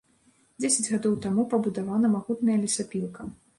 Дзесяць гадоў таму пабудавана магутная лесапілка.